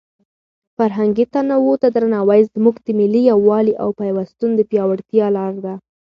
فرهنګي تنوع ته درناوی زموږ د ملي یووالي او پیوستون د پیاوړتیا لاره ده.